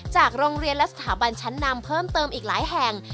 จากโรงเรียนและสถาบันชั้นนำเพิ่มเติมอีกหลายแห่ง